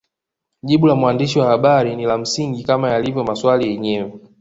Jibu la mwandishi wa habari ni la msingi kama yalivyo maswali yenyewe